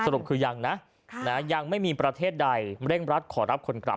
รุปคือยังนะยังไม่มีประเทศใดเร่งรัดขอรับคนกลับ